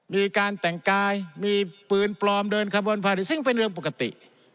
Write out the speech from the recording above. มีการแต่งกายมีปืนปลอมเดินขบวนพาริตซึ่งเป็นเรื่องปกติ